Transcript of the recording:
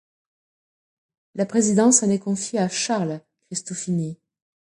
La présidence en est confiée à Charles Cristofini.